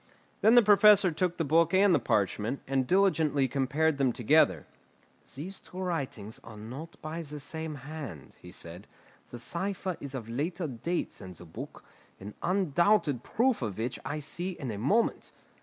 Then the Professor took the book and the parchment, and diligently compared them together. "These two writings are not by the same hand," he said; "the cipher is of later date than the book, an undoubted proof of which I see in a moment.